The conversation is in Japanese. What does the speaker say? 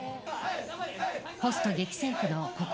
ホスト激戦区のここ